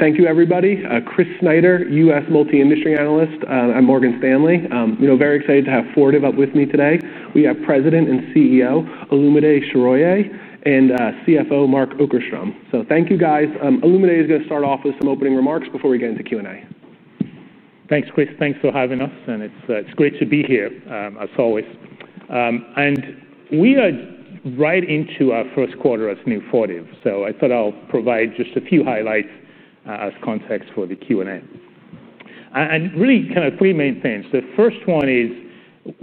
Thank you, everybody. Chris Snyder, U.S. Multi-Industry Analyst. I'm with Morgan Stanley. Very excited to have Fortive up with me today. We have President and CEO Olumide Soroye and CFO Mark Okerstrom. Thank you, guys. Olumide is going to start off with some opening remarks before we get into Q&A. Thanks, Chris. Thanks for having us. It's great to be here, as always. We are right into our first quarter as new Fortive. I thought I'll provide just a few highlights as context for the Q&A. Really, kind of three main things. The first one is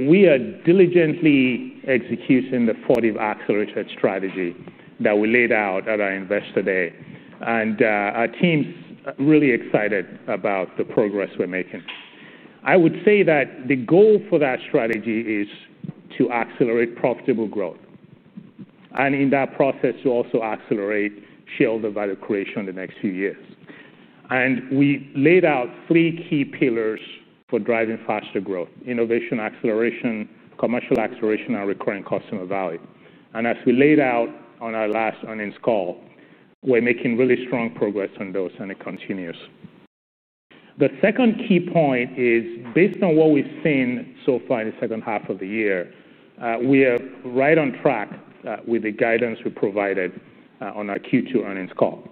we are diligently executing the Fortive Acceleration Strategy that we laid out at our Investor Day. Our team is really excited about the progress we're making. I would say that the goal for that strategy is to accelerate profitable growth. In that process, to also accelerate shareholder value creation in the next few years. We laid out three key pillars for driving faster growth: innovation, acceleration, commercial acceleration, and recurring customer value. As we laid out on our last earnings call, we're making really strong progress on those, and it continues. The second key point is, based on what we've seen so far in the second half of the year, we are right on track with the guidance we provided on our Q2 earnings call.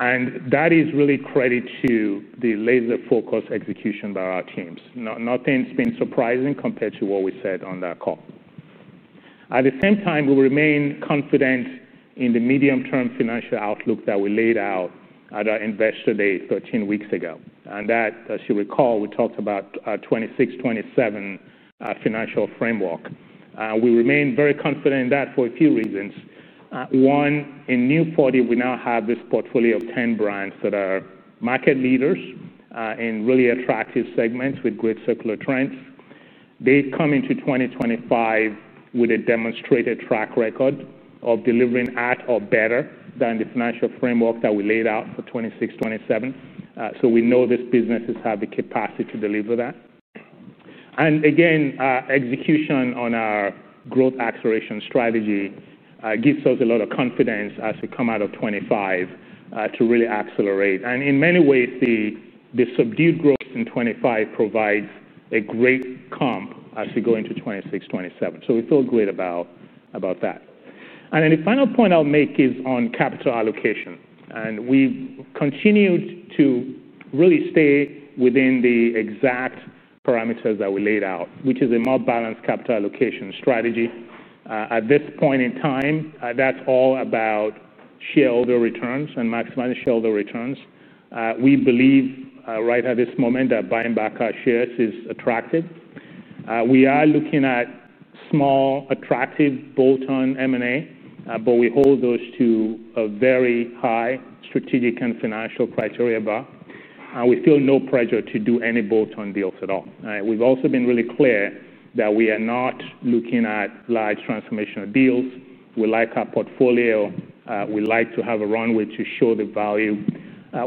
That is really credit to the laser-focused execution by our teams. Nothing's been surprising compared to what we said on that call. At the same time, we remain confident in the medium-term financial outlook that we laid out at our Investor Day 13 weeks ago. As you recall, we talked about a 2026-2027 financial framework. We remain very confident in that for a few reasons. One, in new Fortive, we now have this portfolio of 10 brands that are market leaders in really attractive segments with great circular trends. They come into 2025 with a demonstrated track record of delivering at or better than the financial framework that we laid out for 2026-2027. We know this business has the capacity to deliver that. Execution on our growth acceleration strategy gives us a lot of confidence as we come out of 2025 to really accelerate. In many ways, the subdued growth in 2025 provides a great comp as we go into 2026-2027. We feel great about that. The final point I'll make is on capital allocation. We've continued to really stay within the exact parameters that we laid out, which is a more balanced capital allocation strategy. At this point in time, that's all about shareholder returns and maximizing shareholder returns. We believe right at this moment that buying back our shares is attractive. We are looking at small, attractive bolt-on M&A, but we hold those to a very high strategic and financial criteria bar. We feel no pressure to do any bolt-on deals at all. We have also been really clear that we are not looking at large transformational deals. We like our portfolio. We like to have a runway to show the value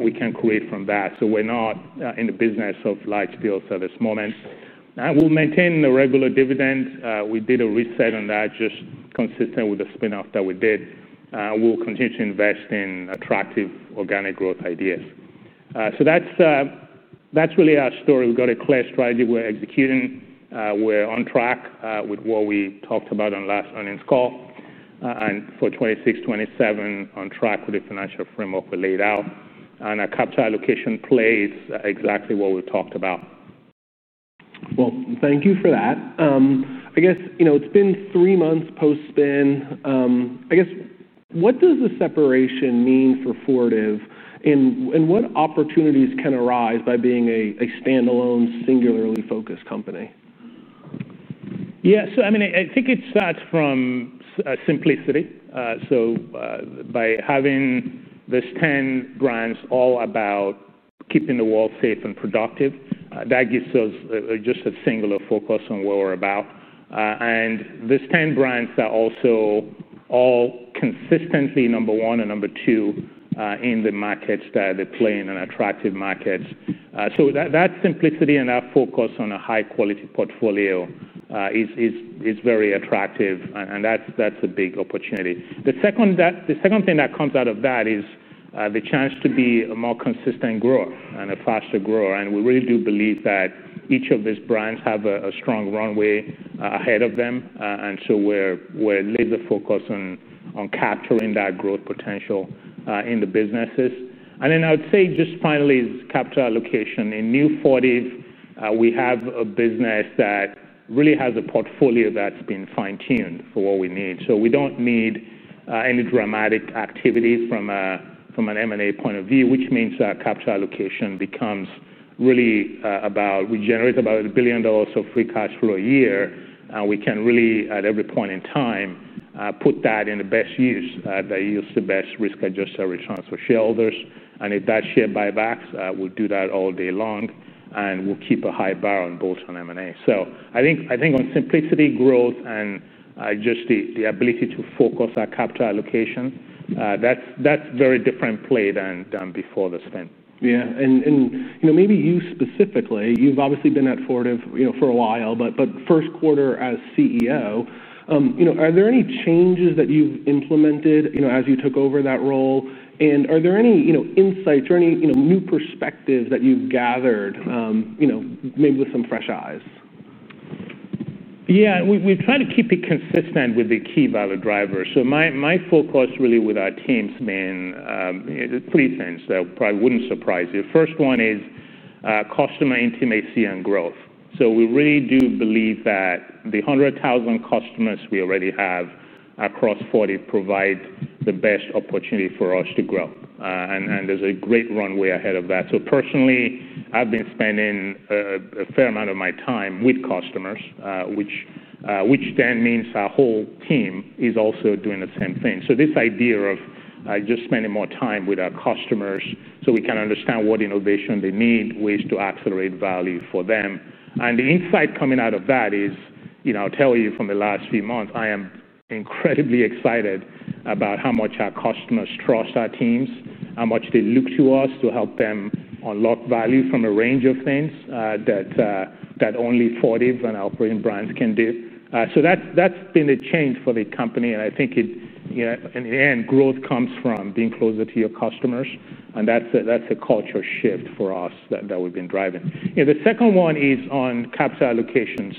we can create from that. We are not in the business of large deals at this moment. We will maintain the regular dividend. We did a reset on that, just consistent with the spin-off that we did. We will continue to invest in attractive organic growth ideas. That is really our story. We have got a clear strategy we are executing. We are on track with what we talked about on last earnings call. For 2026-2027, we are on track with the financial framework we laid out. Our capital allocation plays exactly what we talked about. Thank you for that. I guess, you know, it's been three months post-spin. I guess, what does the separation mean for Fortive? What opportunities can arise by being a standalone, singularly focused company? Yeah, I think it starts from simplicity. By having these 10 brands all about keeping the world safe and productive, that gives us just a singular focus on what we're about. These 10 brands are also all consistently number one and number two in the markets that they play in, and attractive markets. That simplicity and that focus on a high-quality portfolio is very attractive, and that's a big opportunity. The second thing that comes out of that is the chance to be a more consistent grower and a faster grower. We really do believe that each of these brands has a strong runway ahead of them, and we're laser-focused on capturing that growth potential in the businesses. Finally, capital allocation. In new Fortive, we have a business that really has a portfolio that's been fine-tuned for what we need. We don't need any dramatic activities from an M&A point of view, which means our capital allocation becomes really about we generate about $1 billion of free cash flow a year. We can really, at every point in time, put that in the best use, that use the best risk adjusted returns for shareholders. If that's share buybacks, we'll do that all day long, and we'll keep a high bar on bolt-on M&A. On simplicity, growth, and just the ability to focus our capital allocation, that's a very different play than before the spin. Yeah, and you know, maybe you specifically, you've obviously been at Fortive for a while, but first quarter as CEO, are there any changes that you've implemented as you took over that role? Are there any insights or any new perspectives that you've gathered, you know, maybe with some fresh eyes? Yeah, we try to keep it consistent with the key value drivers. My focus really with our teams has been three things that probably wouldn't surprise you. The first one is customer intimacy and growth. We really do believe that the 100,000 customers we already have across Fortive provide the best opportunity for us to grow, and there's a great runway ahead of that. Personally, I've been spending a fair amount of my time with customers, which then means our whole team is also doing the same thing. This idea of just spending more time with our customers so we can understand what innovation they need, ways to accelerate value for them. The insight coming out of that is, you know, I'll tell you from the last few months, I am incredibly excited about how much our customers trust our teams, how much they look to us to help them unlock value from a range of things that only Fortive and our operating brands can do. That's been the change for the company. I think it, you know, in the end, growth comes from being closer to your customers. That's a culture shift for us that we've been driving. The second one is on capital allocation.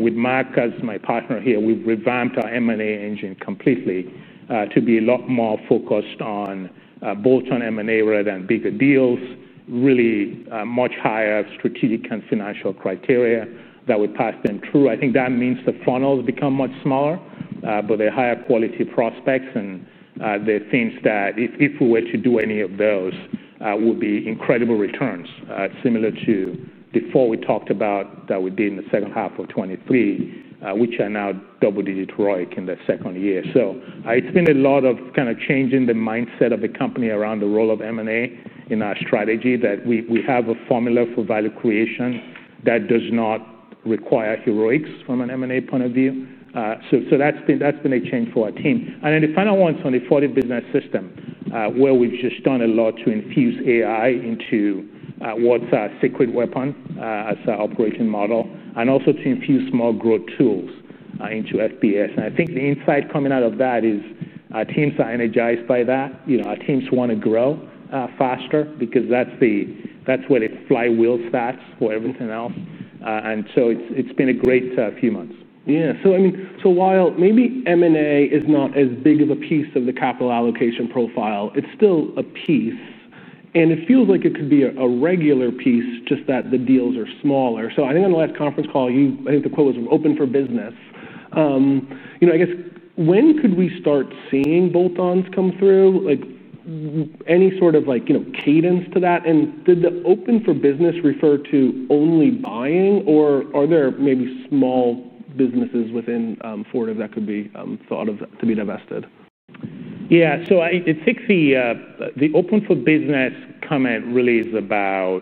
With Mark, as my partner here, we've revamped our M&A engine completely to be a lot more focused on bolt-on M&A rather than bigger deals, really much higher strategic and financial criteria that we pass them through. I think that means the funnel's become much smaller, but they're higher quality prospects. The things that if we were to do any of those would be incredible returns, similar to before we talked about that we did in the second half of 2023, which are now double-digit ROIC in the second year. It's been a lot of kind of changing the mindset of the company around the role of M&A in our strategy, that we have a formula for value creation that does not require heroics from an M&A point of view. That's been a change for our team. The final one is on the Fortive Business System, where we've just done a lot to infuse AI into what's our secret weapon as our operating model, and also to infuse more growth tools into FBS. I think the insight coming out of that is our teams are energized by that. Our teams want to grow faster because that's where the flywheel starts for everything else. It's been a great few months. Yeah, so while maybe M&A is not as big of a piece of the capital allocation profile, it's still a piece. It feels like it could be a regular piece, just that the deals are smaller. I think on the last conference call, I think the quote was, "We're open for business." I guess, when could we start seeing bolt-ons come through? Any sort of cadence to that? Did the "open for business" refer to only buying, or are there maybe small businesses within Fortive that could be thought of to be divested? Yeah, I think the "open for business" comment really is about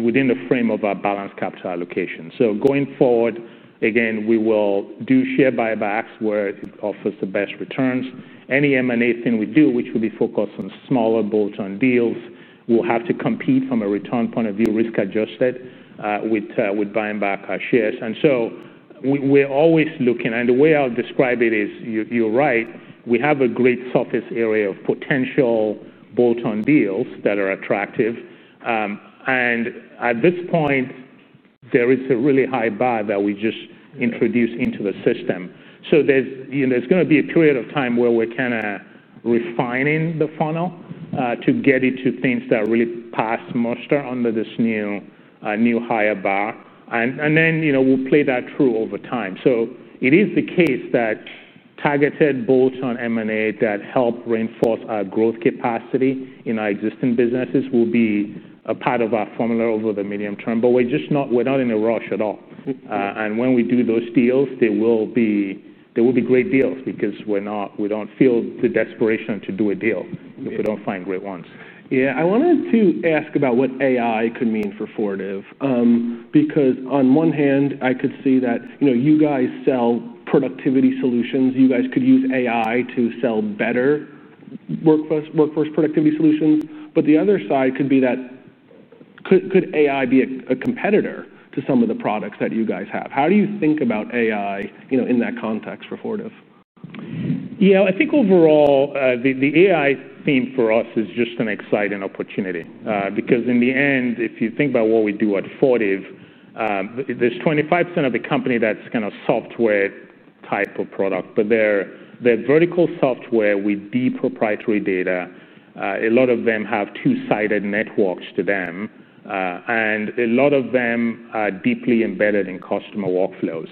within the frame of our balanced capital allocation. Going forward, we will do share buybacks where it offers the best returns. Any M&A thing we do, which will be focused on smaller bolt-on deals, will have to compete from a return point of view, risk-adjusted, with buying back our shares. We're always looking, and the way I'll describe it is, you're right, we have a great surface area of potential bolt-on deals that are attractive. At this point, there is a really high bar that we just introduced into the system. There's going to be a period of time where we're refining the funnel to get it to things that really pass muster under this new higher bar. We'll play that through over time. It is the case that targeted bolt-on M&A that help reinforce our growth capacity in our existing businesses will be a part of our formula over the medium term. We're just not in a rush at all. When we do those deals, they will be great deals because we don't feel the desperation to do a deal if we don't find great ones. Yeah, I wanted to ask about what AI could mean for Fortive. On one hand, I could see that, you know, you guys sell productivity solutions. You guys could use AI to sell better workforce productivity solutions. The other side could be that, could AI be a competitor to some of the products that you guys have? How do you think about AI, you know, in that context for Fortive? Yeah, I think overall, the AI theme for us is just an exciting opportunity. Because in the end, if you think about what we do at Fortive, there's 25% of the company that's kind of software type of product. They're vertical software with deep proprietary data. A lot of them have two-sided networks to them, and a lot of them are deeply embedded in customer workflows.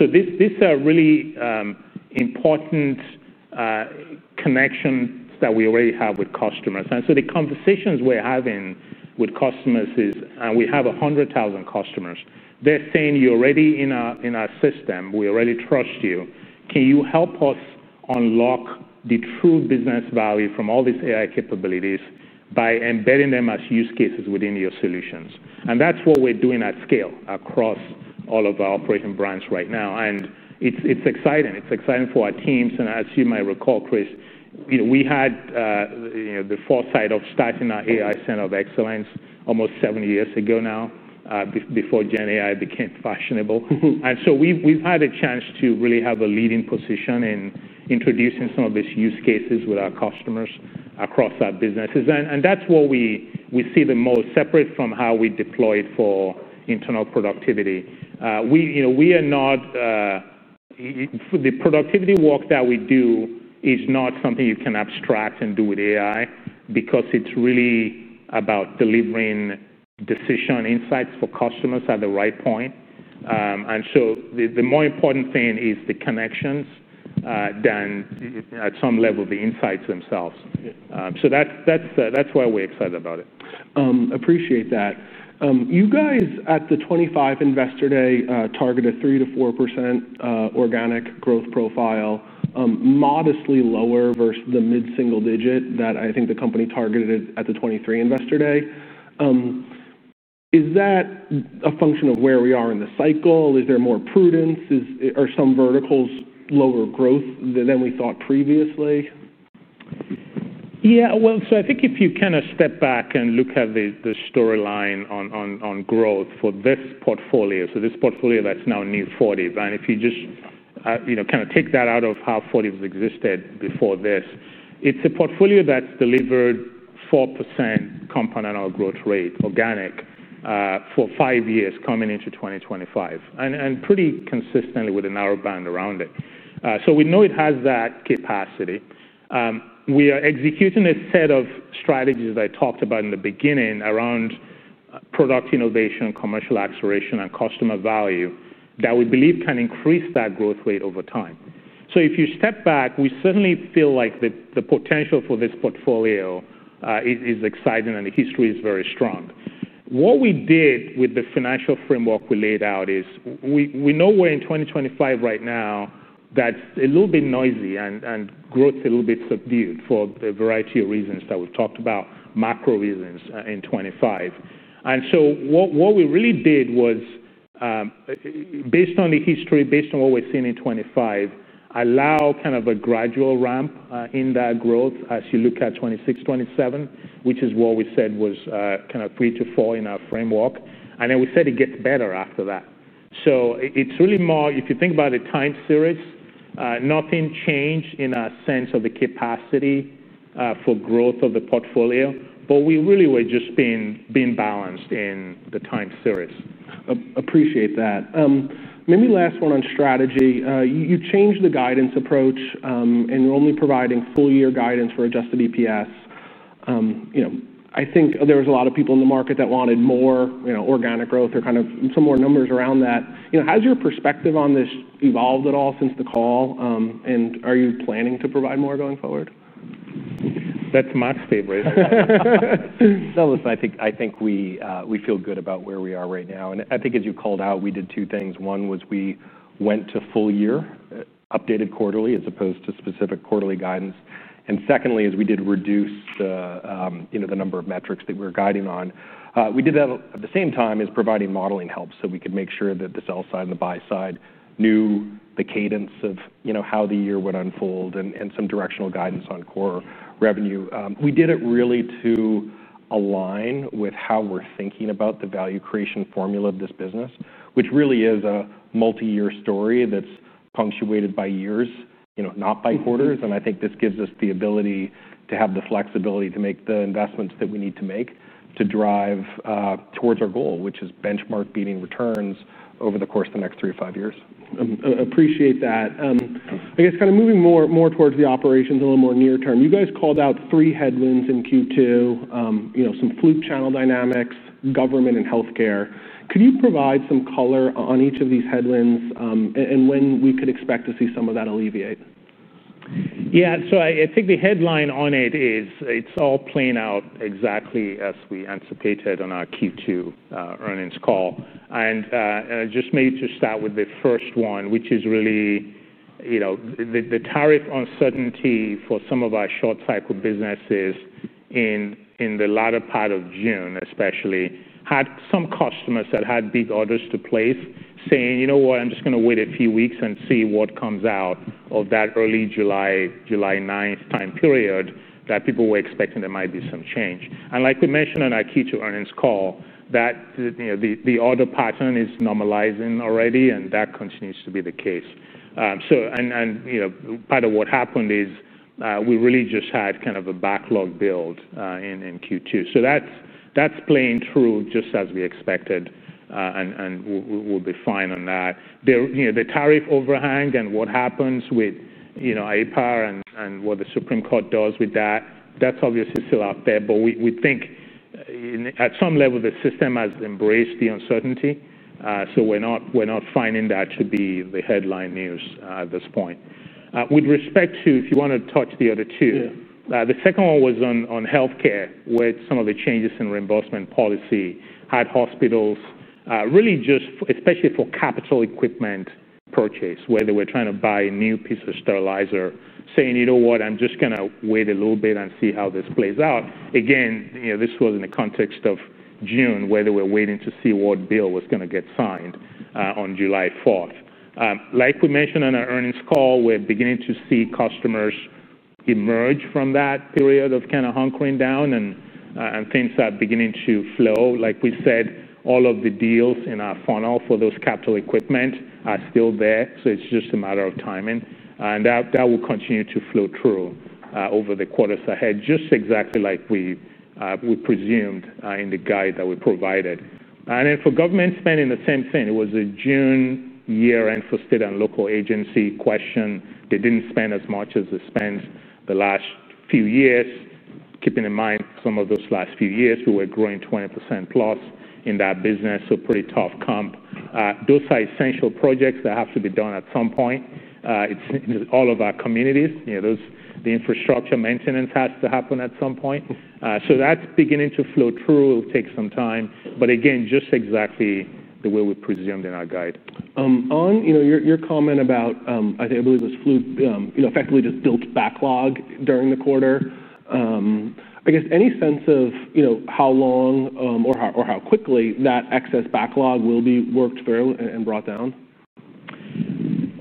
These are really important connections that we already have with customers. The conversations we're having with customers is, and we have 100,000 customers, they're saying, "You're already in our system. We already trust you. Can you help us unlock the true business value from all these AI capabilities by embedding them as use cases within your solutions?" That's what we're doing at scale across all of our operating brands right now. It's exciting. It's exciting for our teams. As you might recall, Chris, we had the foresight of starting our AI Center of Excellence almost seven years ago now, before Gen AI became fashionable. We've had a chance to really have a leading position in introducing some of these use cases with our customers across our businesses. That's what we see the most separate from how we deploy it for internal productivity. The productivity work that we do is not something you can abstract and do with AI because it's really about delivering decision insights for customers at the right point. The more important thing is the connections than at some level the insights themselves. That's why we're excited about it. Appreciate that. You guys at the 2025 Investor Day targeted a 3%-4% organic growth profile, modestly lower versus the mid single-digit that I think the company targeted at the 2023 Investor Day. Is that a function of where we are in the cycle? Is there more prudence? Are some verticals lower growth than we thought previously? Yeah, I think if you kind of step back and look at the storyline on growth for this portfolio, this portfolio that's now in new Fortive, and if you just, you know, kind of take that out of how Fortive existed before this, it's a portfolio that's delivered 4% component of growth rate organic for five years coming into 2025, and pretty consistently with a narrow band around it. We know it has that capacity. We are executing a set of strategies that I talked about in the beginning around product innovation, commercial acceleration, and customer value that we believe can increase that growth rate over time. If you step back, we certainly feel like the potential for this portfolio is exciting, and the history is very strong. What we did with the financial framework we laid out is we know we're in 2025 right now. That's a little bit noisy and growth is a little bit subdued for a variety of reasons that we've talked about, macro reasons in 2025. What we really did was, based on the history, based on what we're seeing in 2025, allow kind of a gradual ramp in that growth as you look at 2026-2027, which is what we said was kind of 3%-4% in our framework. We said it gets better after that. It's really more, if you think about the time series, nothing changed in our sense of the capacity for growth of the portfolio, but we really were just being balanced in the time series. Appreciate that. Maybe last one on strategy. You changed the guidance approach, and you're only providing full-year guidance for adjusted EPS. I think there was a lot of people in the market that wanted more organic growth or kind of some more numbers around that. Has your perspective on this evolved at all since the call? Are you planning to provide more going forward? That's Mark's favorite. I think we feel good about where we are right now. As you called out, we did two things. One was we went to full-year, updated quarterly as opposed to specific quarterly guidance. Secondly, we did reduce the number of metrics that we were guiding on. We did that at the same time as providing modeling help so we could make sure that the sell side and the buy side knew the cadence of how the year would unfold and some directional guidance on core revenue. We did it really to align with how we're thinking about the value creation formula of this business, which really is a multi-year story that's punctuated by years, not by quarters. I think this gives us the ability to have the flexibility to make the investments that we need to make to drive towards our goal, which is benchmark beating returns over the course of the next three to five years. Appreciate that. I guess kind of moving more towards the operations a little more near-term, you guys called out three headwinds in Q2, some fluid channel dynamics, government, and healthcare. Could you provide some color on each of these headwinds and when we could expect to see some of that alleviate? Yeah, I think the headline on it is it's all playing out exactly as we anticipated on our Q2 earnings call. I may just start with the first one, which is really the tariff uncertainty for some of our short cycle businesses in the latter part of June, especially had some customers that had big orders to place saying, you know what, I'm just going to wait a few weeks and see what comes out of that early July, July 9th time period that people were expecting there might be some change. Like we mentioned on our Q2 earnings call, the order pattern is normalizing already, and that continues to be the case. Part of what happened is we really just had kind of a backlog build in Q2. That's playing through just as we expected, and we'll be fine on that. The tariff overhang and what happens with APAR and what the Supreme Court does with that, that's obviously still out there. We think at some level, the system has embraced the uncertainty. We're not finding that to be the headline news at this point. With respect to the other two, the second one was on healthcare, where some of the changes in reimbursement policy had hospitals really just, especially for capital equipment purchase, where they were trying to buy a new piece of sterilizer, saying, you know what, I'm just going to wait a little bit and see how this plays out. Again, this was in the context of June, where they were waiting to see what bill was going to get signed on July 4th. Like we mentioned on our earnings call, we're beginning to see customers emerge from that period of kind of hunkering down, and things are beginning to flow. Like we said, all of the deals in our funnel for those capital equipment are still there. It's just a matter of timing. That will continue to flow through over the quarters ahead, just exactly like we presumed in the guide that we provided. For government spending, the same thing. It was a June year end for state and local agency question. They didn't spend as much as they spent the last few years, keeping in mind some of those last few years, we were growing 20%+ in that business, so pretty tough comp. Those are essential projects that have to be done at some point. It's all of our communities. The infrastructure maintenance has to happen at some point. That's beginning to flow through. It'll take some time. Again, just exactly the way we presumed in our guide. On your comment about, I believe it was Fluke, effectively just built backlog during the quarter. I guess any sense of how long or how quickly that excess backlog will be worked through and brought down?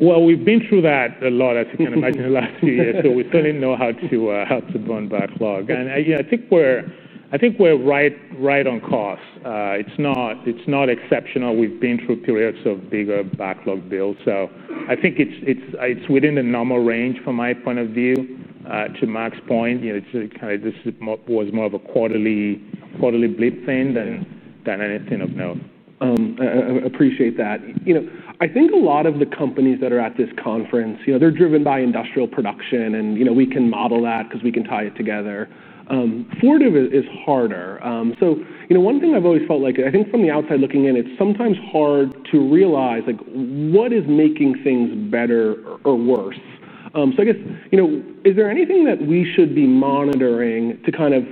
We've been through that a lot, as you can imagine, in the last few years. We fully know how to burn backlog, and I think we're right on course. It's not exceptional. We've been through periods of bigger backlog builds, so I think it's within the normal range from my point of view. To Mark's point, you know, this was more of a quarterly blip thing than anything of note. Appreciate that. I think a lot of the companies that are at this conference, they're driven by industrial production. We can model that because we can tie it together. Fortive is harder. One thing I've always felt like, I think from the outside looking in, it's sometimes hard to realize, like, what is making things better or worse? I guess, is there anything that we should be monitoring to kind of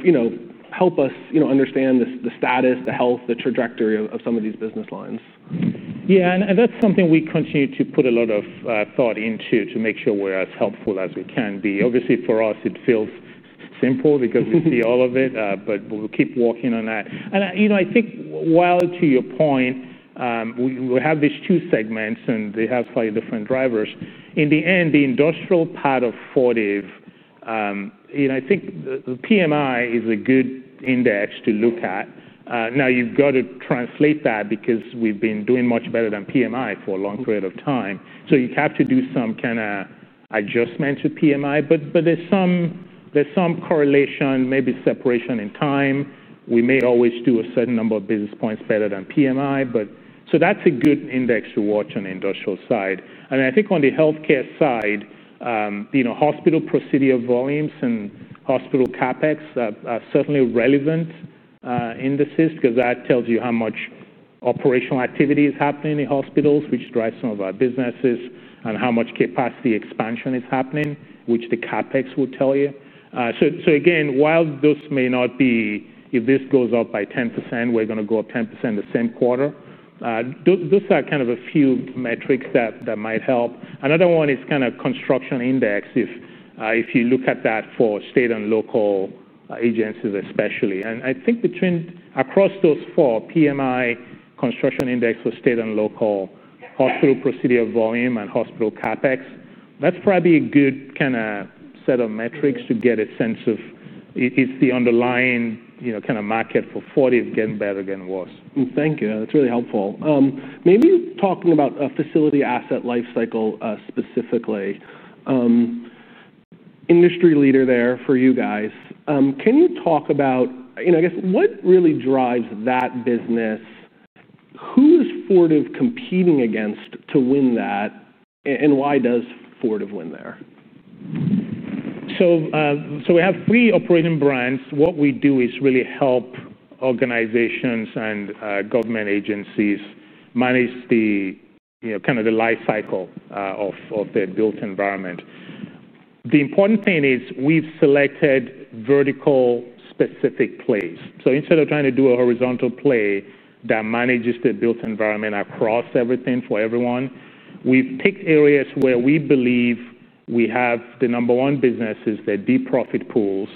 help us understand the status, the health, the trajectory of some of these business lines? Yeah, and that's something we continue to put a lot of thought into to make sure we're as helpful as we can be. Obviously, for us, it feels simple because we see all of it. We'll keep walking on that. I think while to your point, we have these two segments and they have slightly different drivers. In the end, the industrial part of Fortive, I think the PMI is a good index to look at. Now, you've got to translate that because we've been doing much better than PMI for a long period of time. You have to do some kind of adjustment to PMI. There's some correlation, maybe separation in time. We may always do a certain number of business points better than PMI. That's a good index to watch on the industrial side. I think on the healthcare side, hospital procedure volumes and hospital CapEx are certainly relevant indices because that tells you how much operational activity is happening in hospitals, which drives some of our businesses, and how much capacity expansion is happening, which the CapEx will tell you. Again, while those may not be, if this goes up by 10%, we're going to go up 10% the same quarter, those are kind of a few metrics that might help. Another one is kind of construction index, if you look at that for state and local agencies especially. I think between across those four, PMI, construction index for state and local, hospital procedure volume, and hospital CapEx, that's probably a good kind of set of metrics to get a sense of, is the underlying, you know, kind of market for Fortive getting better, getting worse? Thank you. That's really helpful. Maybe talking about a facility asset lifecycle specifically, industry leader there for you guys. Can you talk about what really drives that business? Who is Fortive competing against to win that? Why does Fortive win there? We have three operating brands. What we do is really help organizations and government agencies manage the lifecycle of their built environment. The important thing is we've selected vertical specific plays. Instead of trying to do a horizontal play that manages the built environment across everything for everyone, we've picked areas where we believe we have the number one businesses, there are deep profit pools,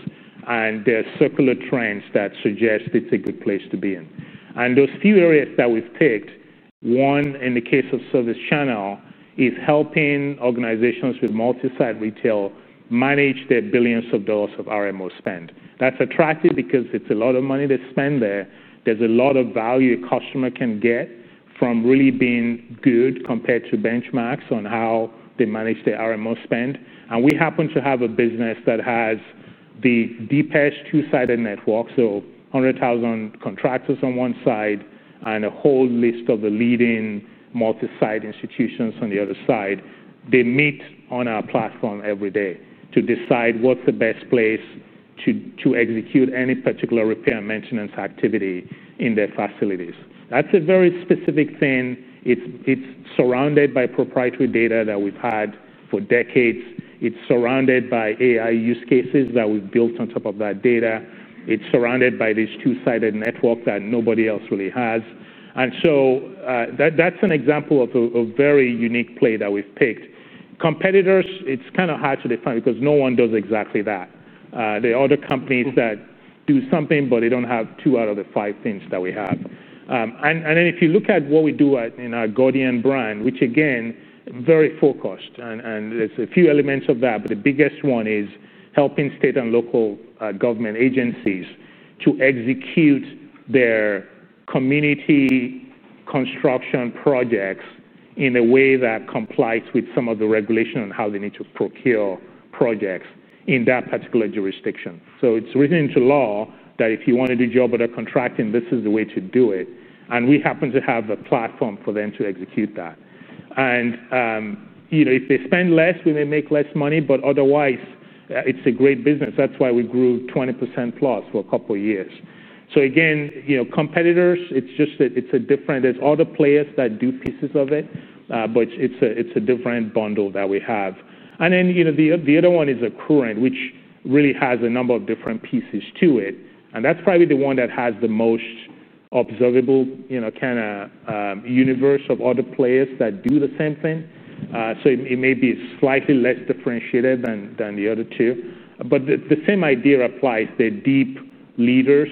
and there are circular trends that suggest it's a good place to be in. In those few areas that we've picked, one in the case of ServiceChannel, is helping organizations with multi-site retail manage their billions of dollars of RMO spend. That's attractive because it's a lot of money they spend there. There's a lot of value a customer can get from really being good compared to benchmarks on how they manage their RMO spend. We happen to have a business that has the deepest two-sided network, so 100,000 contractors on one side and a whole list of the leading multi-site institutions on the other side. They meet on our platform every day to decide what's the best place to execute any particular repair and maintenance activity in their facilities. That's a very specific thing. It's surrounded by proprietary data that we've had for decades. It's surrounded by AI use cases that we've built on top of that data. It's surrounded by this two-sided network that nobody else really has. That's an example of a very unique play that we've picked. Competitors, it's kind of hard to define because no one does exactly that. There are other companies that do something, but they don't have two out of the five things that we have. If you look at what we do in our Gordian brand, which again, very focused, and there's a few elements of that, but the biggest one is helping state and local government agencies to execute their community construction projects in a way that complies with some of the regulations on how they need to procure projects in that particular jurisdiction. It's written into law that if you want to do job order contracting, this is the way to do it. We happen to have the platform for them to execute that. If they spend less, we may make less money, but otherwise, it's a great business. That's why we grew 20%+ for a couple of years. Competitors, it's just that it's a different, there are other players that do pieces of it, but it's a different bundle that we have. The other one is Accruent, which really has a number of different pieces to it. That is probably the one that has the most observable universe of other players that do the same thing. It may be slightly less differentiated than the other two. The same idea applies. They're deep leaders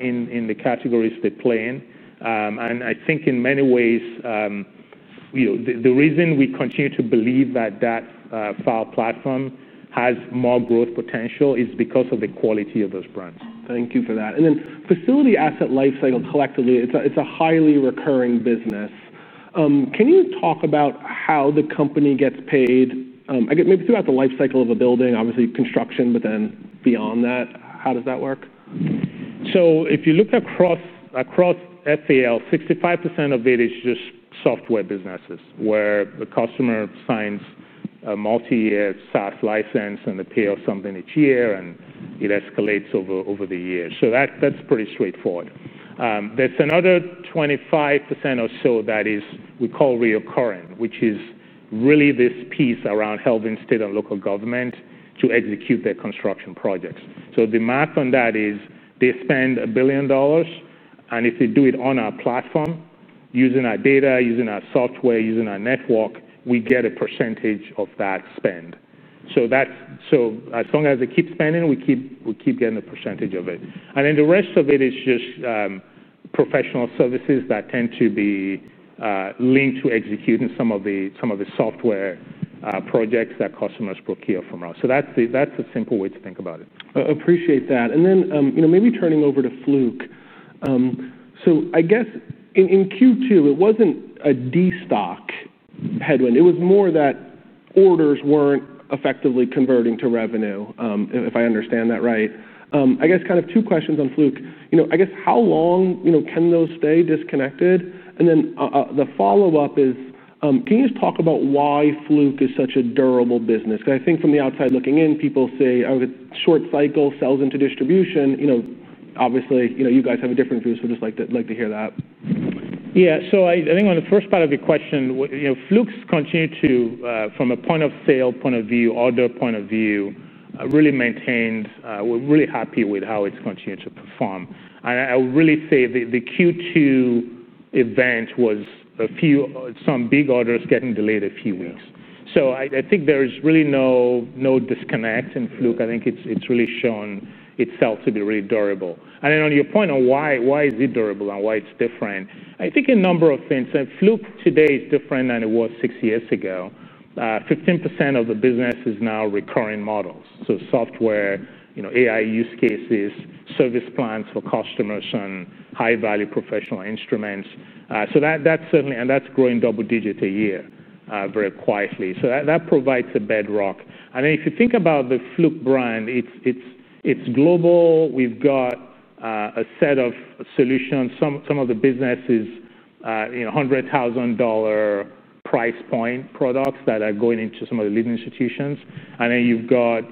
in the categories they play in. I think in many ways the reason we continue to believe that that file platform has more growth potential is because of the quality of those brands. Thank you for that. Facility asset lifecycle collectively, it's a highly recurring business. Can you talk about how the company gets paid? I guess maybe throughout the lifecycle of a building, obviously construction, but then beyond that, how does that work? If you look across FPL, 65% of it is just software businesses where the customer signs a multi-year SaaS license and they pay off something each year, and it escalates over the years. That's pretty straightforward. There's another 25% or so that is, we call recurring, which is really this piece around helping state and local government to execute their construction projects. The math on that is they spend $1 billion, and if they do it on our platform, using our data, using our software, using our network, we get a percentage of that spend. As long as they keep spending, we keep getting a percentage of it. The rest of it is just professional services that tend to be linked to executing some of the software projects that customers procure from us. That's a simple way to think about it. Appreciate that. Maybe turning over to Fluke. In Q2, it wasn't a destock headwind. It was more that orders weren't effectively converting to revenue, if I understand that right. I guess kind of two questions on Fluke. How long can those stay disconnected? The follow-up is, can you just talk about why Fluke is such a durable business? I think from the outside looking in, people say, oh, the short cycle sells into distribution. Obviously, you guys have a different view, so I'd just like to hear that. Yeah, I think on the first part of your question, Fluke's continued to, from a point-of-sale point of view, order point of view, really maintained, we're really happy with how it's continued to perform. I would really say the Q2 event was a few big orders getting delayed a few weeks. I think there is really no disconnect in Fluke. I think it's really shown itself to be really durable. On your point on why is it durable and why it's different, I think a number of things. Fluke today is different than it was six years ago. 15% of the business is now recurring models. Software, AI use cases, service plans for customers, and high-value professional instruments. That certainly, and that's growing double-digit a year very quietly. That provides a bedrock. If you think about the Fluke brand, it's global. We've got a set of solutions. Some of the businesses, $100,000 price point products that are going into some of the leading institutions. Then you've got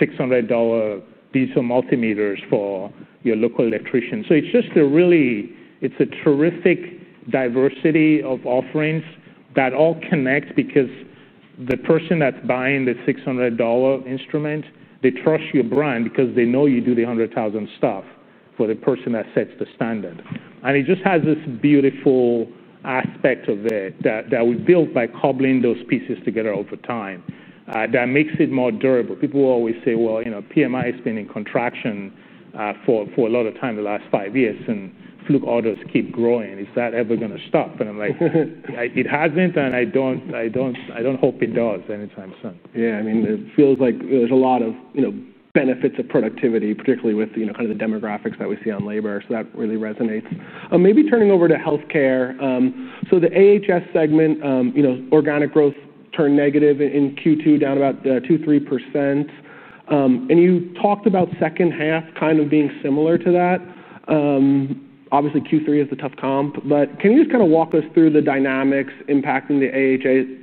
$600 digital multimeters for your local electrician. It's just a really, it's a terrific diversity of offerings that all connect because the person that's buying the $600 instrument, they trust your brand because they know you do the $100,000 stuff for the person that sets the standard. It just has this beautiful aspect of it that we built by cobbling those pieces together over time. That makes it more durable. People always say, you know, PMI has been in contraction for a lot of time in the last five years, and Fluke orders keep growing. Is that ever going to stop? I'm like, it hasn't, and I don't hope it does anytime soon. Yeah, I mean, it feels like there's a lot of benefits of productivity, particularly with the demographics that we see on labor. That really resonates. Maybe turning over to healthcare. The AHS segment, organic growth turned negative in Q2, down about 2%, 3%. You talked about second half being similar to that. Obviously, Q3 is the tough comp, but can you just walk us through the dynamics impacting the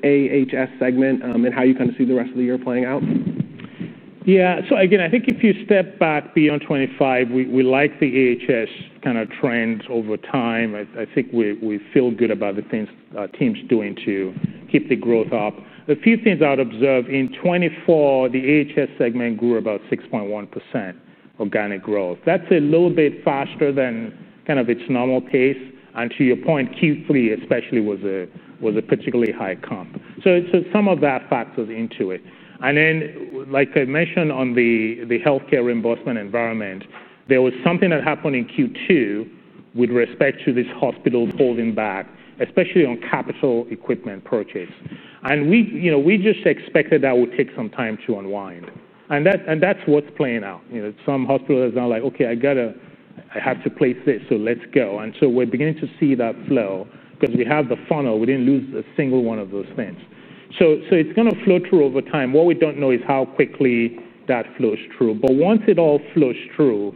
AHS segment and how you see the rest of the year playing out? Yeah, so again, I think if you step back beyond 2025, we like the AHS kind of trends over time. I think we feel good about the things our teams are doing to keep the growth up. A few things I would observe. In 2024, the AHS segment grew about 6.1% organic growth. That's a little bit faster than kind of its normal pace. To your point, Q3 especially was a particularly high comp, so some of that factors into it. Like I mentioned on the healthcare reimbursement environment, there was something that happened in Q2 with respect to these hospitals holding back, especially on capital equipment purchase. We just expected that would take some time to unwind. That's what's playing out. Some hospitals are now like, OK, I got to, I have to place this, so let's go. We're beginning to see that flow because we have the funnel. We didn't lose a single one of those things, so it's going to flow through over time. What we don't know is how quickly that flows through. Once it all flows through,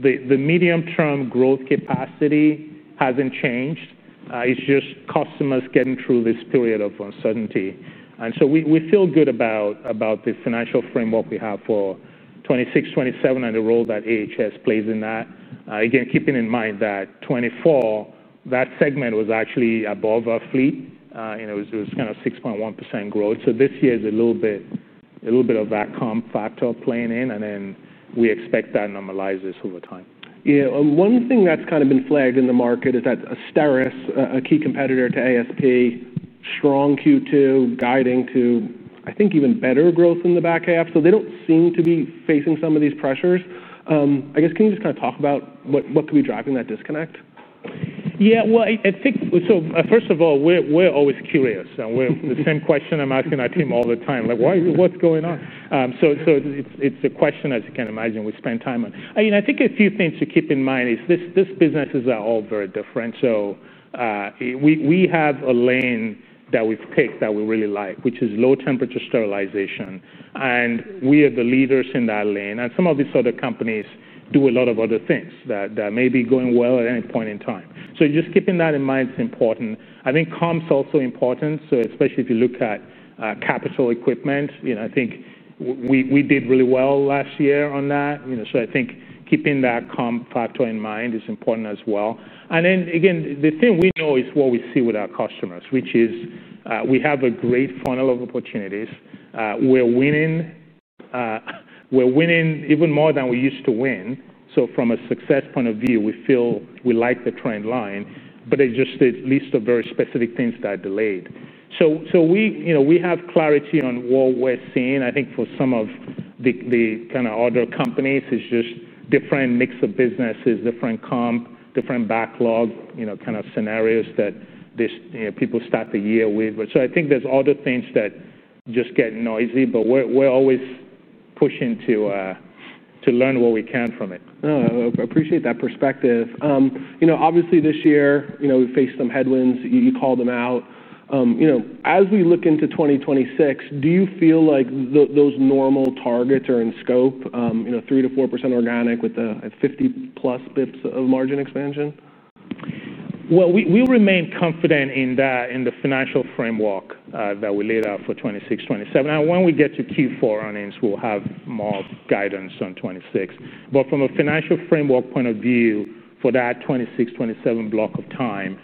the medium-term growth capacity hasn't changed. It's just customers getting through this period of uncertainty. We feel good about the financial framework we have for 2026-2027 and the role that AHS plays in that. Again, keeping in mind that 2024, that segment was actually above our fleet. It was kind of 6.1% growth, so this year is a little bit of that comp factor playing in. We expect that normalizes over time. Yeah, one thing that's kind of been flagged in the market is that Asteris, a key competitor to ASP, had a strong Q2, guiding to, I think, even better growth in the back half. They don't seem to be facing some of these pressures. I guess, can you just kind of talk about what could be driving that disconnect? Yeah, I think, first of all, we're always curious. We're asking our team all the time, like, what's going on? It's a question, as you can imagine, we spend time on. I think a few things to keep in mind is these businesses are all very different. We have a lane that we've picked that we really like, which is low temperature sterilization, and we are the leaders in that lane. Some of these other companies do a lot of other things that may be going well at any point in time, so just keeping that in mind is important. I think comp is also important, especially if you look at capital equipment. I think we did really well last year on that, so keeping that comp factor in mind is important as well. The thing we know is what we see with our customers, which is we have a great funnel of opportunities. We're winning. We're winning even more than we used to win. From a success point of view, we feel we like the trend line, but it's just a list of very specific things that are delayed. We have clarity on what we're seeing. I think for some of the other companies, it's just different mix of businesses, different comp, different backlog, kind of scenarios that people start the year with. I think there are other things that just get noisy. We're always pushing to learn what we can from it. I appreciate that perspective. Obviously, this year we've faced some headwinds. You called them out. As we look into 2026, do you feel like those normal targets are in scope? 3%-4% organic with a 50+ basis points of margin expansion? We remain confident in the financial framework that we laid out for 2026-2027. When we get to Q4 earnings, we'll have more guidance on 2026. From a financial framework point of view for that 2026-2027 block of time,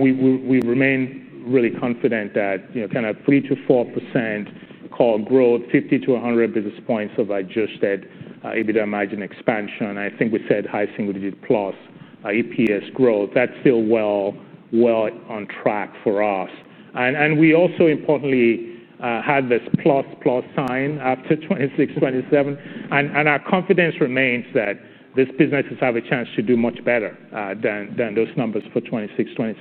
we remain really confident that, you know, kind of 3%-4% core growth, 50 basis points-100 basis points of adjusted EBITDA margin expansion. I think we said high single-digit plus EPS growth. That's still well, well on track for us. We also, importantly, had this plus-plus sign after 2026-2027. Our confidence remains that these businesses have a chance to do much better than those numbers for 2026-2027.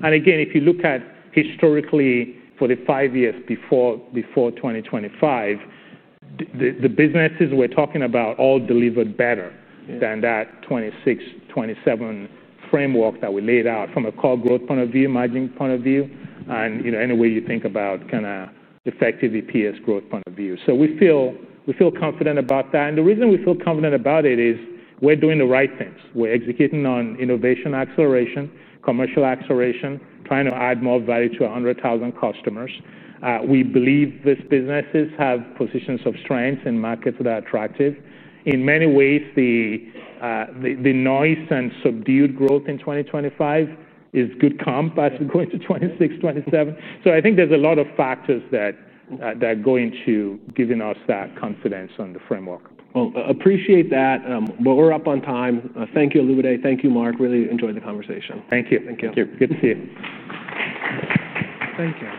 If you look at historically for the five years before 2025, the businesses we're talking about all delivered better than that 2026-2027 framework that we laid out from a core growth point of view, margin point of view, and, you know, any way you think about kind of effective EPS growth point of view. We feel confident about that. The reason we feel confident about it is we're doing the right things. We're executing on innovation acceleration, commercial acceleration, trying to add more value to 100,000 customers. We believe these businesses have positions of strength in markets that are attractive. In many ways, the noise and subdued growth in 2025 is good comp as we go into 2026-2027. I think there's a lot of factors that go into giving us that confidence on the framework. I appreciate that. We're up on time. Thank you, Olumide. Thank you, Mark. Really enjoyed the conversation. Thank you. Good to see you. Thank you.